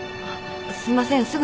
あっすいません